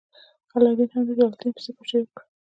علاوالدین هم د جلال الدین پسې پاچاهي وکړه.